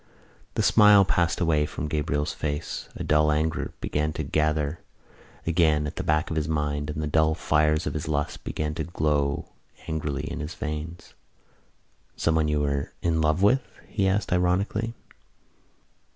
The smile passed away from Gabriel's face. A dull anger began to gather again at the back of his mind and the dull fires of his lust began to glow angrily in his veins. "Someone you were in love with?" he asked ironically.